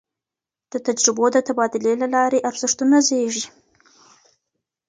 د تجربو د تبادلې له لاري ارزښتونه زېږي.